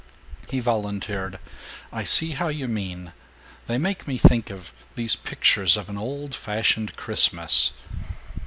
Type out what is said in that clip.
He volunteered, "I see how you mean. They make me think of these pictures of an old fashioned Christmas.